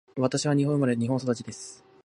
私は日本生まれ、日本育ちです。